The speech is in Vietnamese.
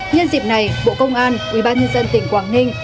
nhân dịp này bộ công an ubnd tỉnh quảng ninh